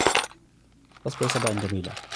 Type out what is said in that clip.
فَاصْبِرْ صَبْرًا جَمِيلا